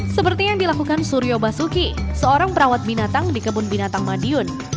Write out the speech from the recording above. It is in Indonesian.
seperti yang dilakukan suryo basuki seorang perawat binatang di kebun binatang madiun